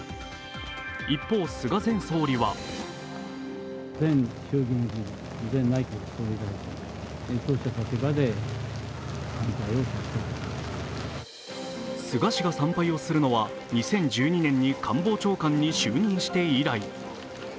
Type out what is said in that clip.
一方、菅前総理は菅氏が参拝をするのは２０１２年に官房長官に就任して以来。